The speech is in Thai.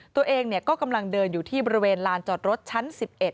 ตัวเองก็กำลังเดินอยู่ที่บริเวณลานจอดรถชั้น๑๑